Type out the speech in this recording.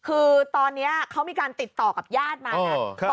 คือตอนนี้เขามีการติดต่อกับญาติมานะ